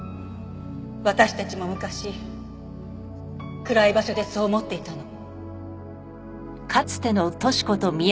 私たちも昔暗い場所でそう思っていたの。